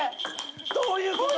どういうこと？